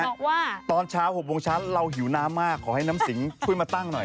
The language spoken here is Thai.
บอกว่าตอนเช้า๖โมงเช้าเราหิวน้ำมากขอให้น้ำสิงช่วยมาตั้งหน่อย